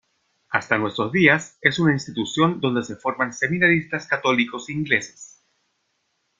Hasta nuestro días es una institución donde se forman seminaristas católicos ingleses.